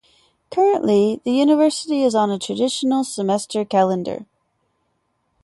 Currently, the university is on a traditional semester calendar.